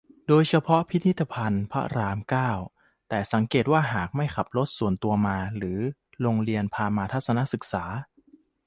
โดยเฉพาะพิพิธภัณฑ์พระราม เก้า แต่สังเกตว่าหากไม่ขับรถส่วนตัวมา หรือ โรงเรียนพามาทัศนศึกษา